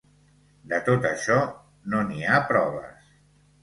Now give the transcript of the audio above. De tot això no n'hi ha proves.